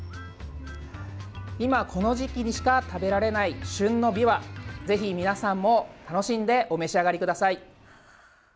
今、この時期にしか食べられない旬のびわ、ぜひ皆さんも楽しんでお召し上がりください。